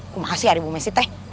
kuma kasih ya ibu mesit teh